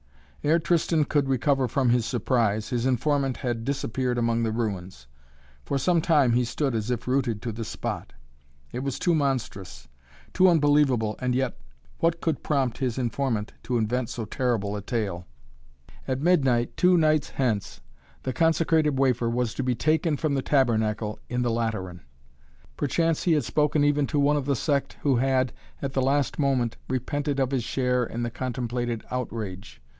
Ere Tristan could recover from his surprise, his informant had disappeared among the ruins. For some time he stood as if rooted to the spot. It was too monstrous too unbelievable and yet what could prompt his informant to invent so terrible a tale? At midnight, two nights hence, the consecrated wafer was to be taken from the tabernacle in the Lateran! Perchance he had spoken even to one of the sect who had, at the last moment, repented of his share in the contemplated outrage.